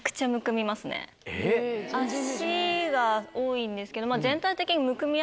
脚が多いんですけど。